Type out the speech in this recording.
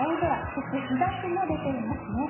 そして日ざしも出ていますね。